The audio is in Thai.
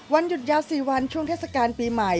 หยุดยาว๔วันช่วงเทศกาลปีใหม่